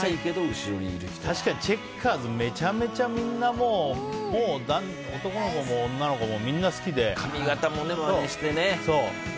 確かにチェッカーズめちゃめちゃみんな男の子も女の子もみんな好きで髪形もまねしてね。